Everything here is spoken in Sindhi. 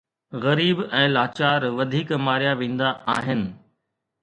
غريب ۽ لاچار وڌيڪ ماريا ويندا آهن.